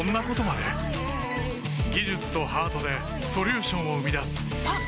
技術とハートでソリューションを生み出すあっ！